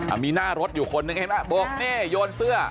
มีหน้ารถอยู่คนหนึ่งเห็นไหมโบกนี่โยนเสื้อ